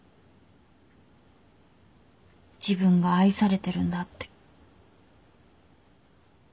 自分が愛されてるんだって。